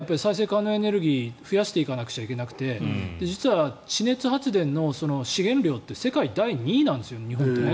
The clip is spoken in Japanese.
日本は再生可能エネルギー増やしていかなくちゃいけなくて実は、地熱発電の資源量って世界第２位なんですよ日本って。